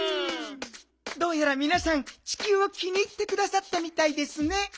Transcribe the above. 「どうやらみなさんちきゅうを気に入ってくださったみたいですね」。